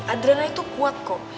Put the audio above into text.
adrena itu kuat kok